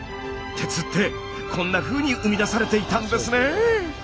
鉄ってこんなふうに生み出されていたんですね！